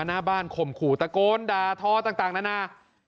หน้าบ้านข่มขู่ตะโกนด่าทอต่างนานา